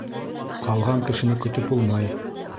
Ҡалған кешене көтөп булмай.